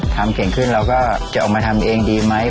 ทำเก่งขึ้นนาจะทำเองดีไหม